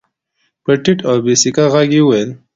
په ټيټ او بې سېکه غږ يې وويل.